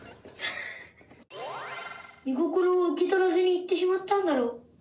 御心を受け取らずに行ってしまったんだろう。